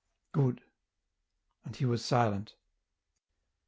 — Good "— and he was silent.